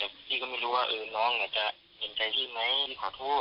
แต่พี่ก็ไม่รู้ว่าน้องจะเห็นใจที่ไหมที่ขอโทษที่พี่ทำ